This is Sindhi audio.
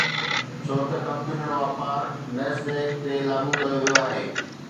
ڇو ته ڪمپيوٽر واپار NASDAQ تي لاڳو ڪيو ويو آهي